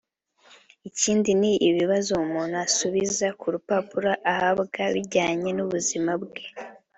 Ikindi ni ibibazo umuntu asubiza ku rupapuro ahabwa bijyanye n’ubuzima bwe